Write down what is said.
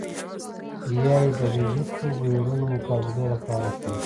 یا ایدیالوژیکو بهیرونو مقابلې لپاره کېږي